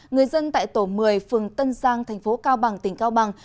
người dân tại tổ một mươi phường tân giang thành phố cao bằng tỉnh cao bằng